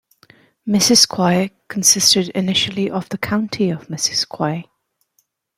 Missisquoi consisted initially of the County of Missiquoi.